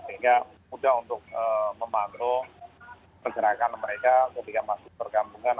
sehingga mudah untuk memantau pergerakan mereka ketika masuk perkampungan